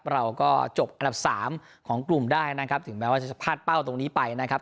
เราก็จบอันดับสามของกลุ่มได้นะครับถึงแม้ว่าจะพลาดเป้าตรงนี้ไปนะครับ